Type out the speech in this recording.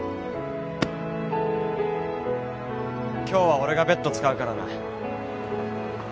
今日は俺がベッド使うからな。